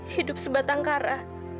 hidup sebatang kara